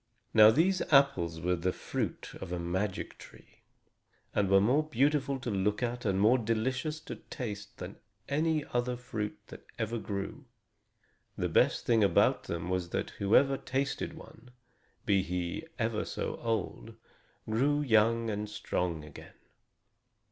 Now these apples were the fruit of a magic tree, and were more beautiful to look at and more delicious to taste than any fruit that ever grew. The best thing about them was that whoever tasted one, be he ever so old, grew young and strong again.